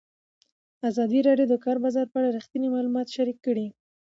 ازادي راډیو د د کار بازار په اړه رښتیني معلومات شریک کړي.